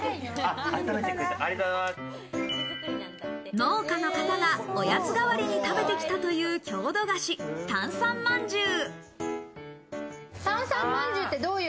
農家の方がおやつ代わりに食べてきたという郷土菓子、タンサンまんじゅう。